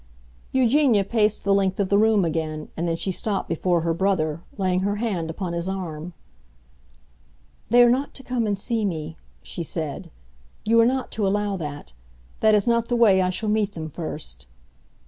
Eugenia paced the length of the room again, and then she stopped before her brother, laying her hand upon his arm. "They are not to come and see me," she said. "You are not to allow that. That is not the way I shall meet them first."